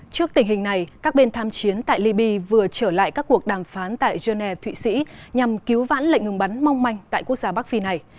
trước tình hình này các bên tham chiến tại libya vừa trở lại các cuộc đàm phán tại geneva thụy sĩ nhằm cứu vãn lệnh ngừng bắn mong manh tại quốc gia bắc phi này